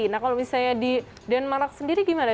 nah kalau misalnya di denmark sendiri gimana